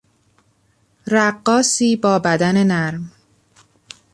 رقاصی با بدن نرم